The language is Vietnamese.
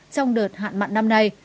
trong đợt hạn mặn năm nay